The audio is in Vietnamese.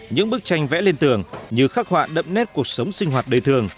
những bức tranh vẽ lên tường như khắc họa đậm nét cuộc sống sinh hoạt đời thường